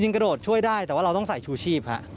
กระโดดช่วยได้แต่ว่าเราต้องใส่ชูชีพฮะ